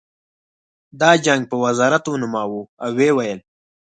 د جنګ په وزارت ونوموه او ویې ویل